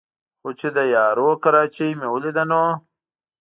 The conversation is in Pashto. خو چې د یارو کراچۍ مې ولېده نو